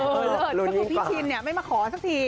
ถ้าถึงพี่ชินไม่มาขอซักที